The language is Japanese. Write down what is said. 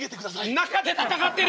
中で戦ってる。